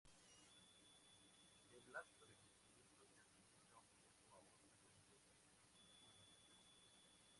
El hábito de crecimiento se asemeja un poco a otras especies "Lycium".